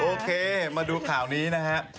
โอเคมาดูข่าวนี้นะฮะ